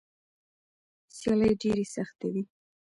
سیالۍ ډېرې سختې وي.